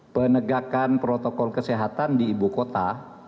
penegakan protokol kesehatan di ibu kota